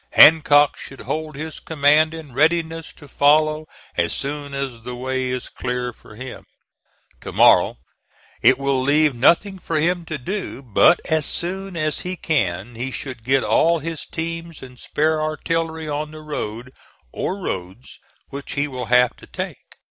Hancock should hold his command in readiness to follow as soon as the way is clear for him. To morrow it will leave nothing for him to do, but as soon as he can he should get all his teams and spare artillery on the road or roads which he will have to take.